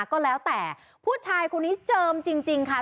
ก็แล้วแต่ผู้ชายคนนี้เจิมจริงค่ะ